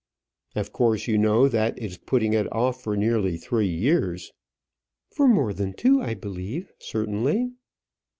"Of course you know that that is putting it off for nearly three years?" "For more than two, I believe, certainly."